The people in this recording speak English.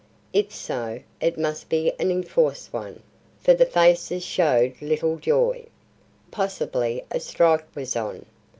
If so, it must be an enforced one, for the faces showed little joy. Possibly a strike was on.